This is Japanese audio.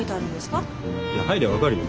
入りゃ分かるよ。